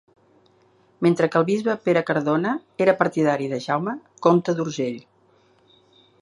Mentre que el bisbe, Pere Cardona, era partidari de Jaume, comte d'Urgell.